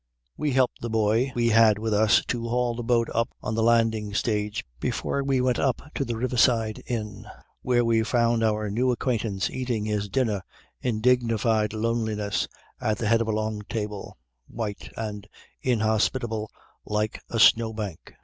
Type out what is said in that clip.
We helped the boy we had with us to haul the boat up on the landing stage before we went up to the riverside inn, where we found our new acquaintance eating his dinner in dignified loneliness at the head of a long table, white and inhospitable like a snow bank.